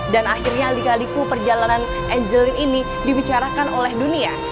dan akhirnya dikaliku perjalanan angeline ini dibicarakan oleh dunia